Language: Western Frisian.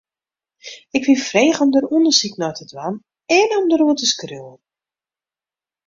Ik wie frege om dêr ûndersyk nei te dwaan en om dêroer te skriuwen.